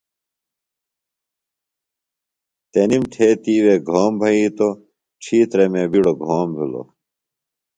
تنِم تھےۡ تِیوے گھوم بھئِیتوۡ۔ ڇِھیترہ مے بِیڈوۡ گھوم بِھلوۡ۔